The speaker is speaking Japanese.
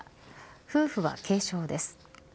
夫婦は軽傷です。